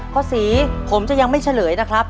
พ่อศรีผมจะยังไม่เฉลยนะครับ